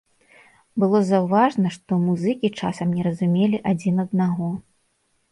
Было заўважна, што музыкі часам не разумелі адзін аднаго.